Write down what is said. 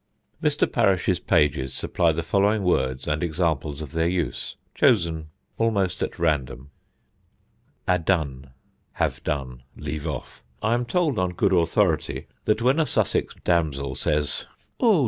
Mr. Parish's pages supply the following words and examples of their use, chosen almost at random: Adone (Have done, Leave off): I am told on good authority that when a Sussex damsel says, "Oh!